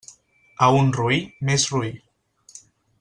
A un roí, més roí.